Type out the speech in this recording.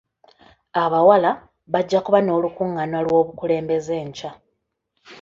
Abawala bajja kuba n'olukungaana lw'obukulembeze enkya.